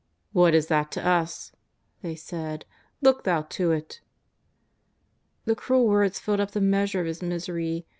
^^ What is that to us ?" they said ;^' look thou to it." The cruel words filled up the measure of his misery.